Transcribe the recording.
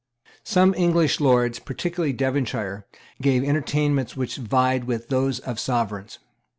Some English lords, particularly Devonshire, gave entertainments which vied with those of Sovereigns.